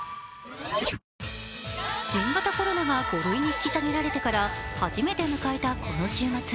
新型コロナが５類に引き下げられてから、初めて迎えたこの週末。